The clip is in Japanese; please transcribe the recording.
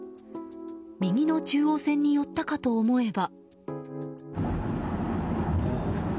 右の中央線に寄ったかと思えば。